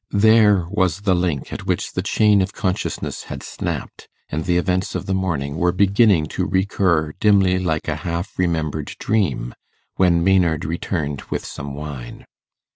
There was the link at which the chain of consciousness had snapped, and the events of the morning were beginning to recur dimly like a half remembered dream, when Maynard returned with some wine.